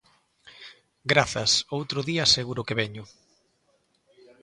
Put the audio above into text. Grazas, outro día seguro que veño.